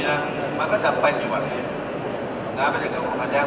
ถ้าตอบผิดมูกก็อยู่ตรงไหน